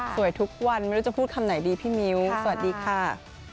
ทุกวันไม่รู้จะพูดคำไหนดีพี่มิ้วสวัสดีค่ะ